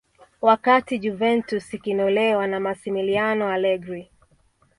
wakati juventus ikinolewa na masimiliano alegri